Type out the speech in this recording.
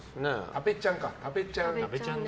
多部ちゃんか。